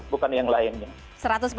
bukan yang lainnya